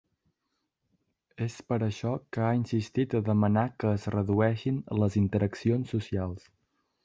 És per això que ha insistit a demanar que es redueixin les interaccions socials.